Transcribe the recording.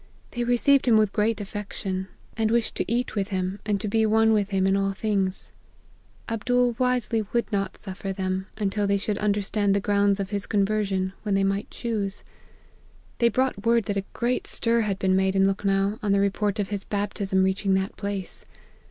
They received him with great affection, and wished to eat with T 218 APPENDIX. him, and to be one with him in all things, Ab dool wisely would not suffer them, until they should understand the grounds of his conversion, when they might choose. They brought word that a great stir had been made in Lukhnow, on the re port of his baptism reaching that place.